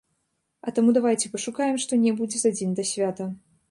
А таму давайце пашукаем што-небудзь за дзень да свята.